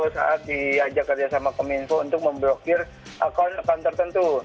saat diajak kerjasama kominfo untuk memblokir akun akun tertentu